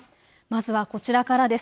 まずはこちらからです。